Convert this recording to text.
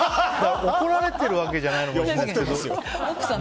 怒られているわけじゃないのに。